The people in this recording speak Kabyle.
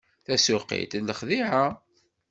Tasuqilt d lexdiɛa.